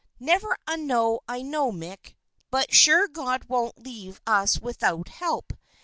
"Never a know I know, Mick, but sure God won't leave us without help.